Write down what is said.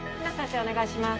お願いします